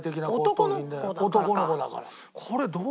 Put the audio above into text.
男の子だからか。